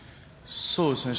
そうですね